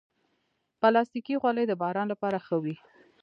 پلاستيکي خولۍ د باران لپاره ښه وي.